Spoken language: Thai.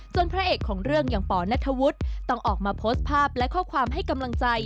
ส่วนพระเอกของเรื่องอย่างปนัทธวุฒิต้องออกมาโพสต์ภาพและข้อความให้กำลังใจ